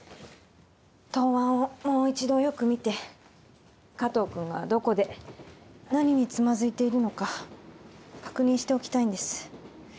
答案をもう一度よく見て加藤君がどこで何につまずいているのか確認しておきたいんです。